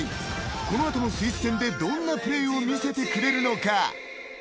この後のスイス戦でどんなプレーを見せてくれるのか。